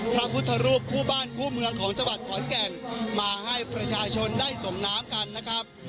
พระพุทธรูปคู่บ้านคู่เมืองของจังหวัดขอนแก่นมาให้ประชาชนได้ส่งน้ำกันนะครับ